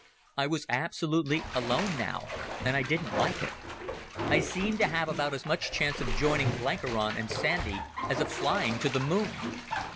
I was absolutely alone now, and I didn't like it. I seemed to have about as much chance of joining Blenkiron and Sandy as of flying to the moon.